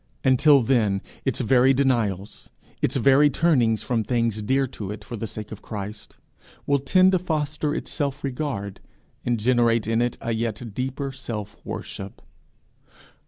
Until then, its very denials, its very turnings from things dear to it for the sake of Christ, will tend to foster its self regard, and generate in it a yet deeper self worship.